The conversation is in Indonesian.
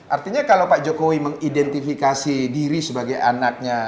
artinya kalau pak jokowi mengidentifikasi diri sebagai anaknya